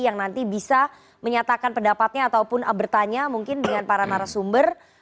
yang nanti bisa menyatakan pendapatnya ataupun bertanya mungkin dengan para narasumber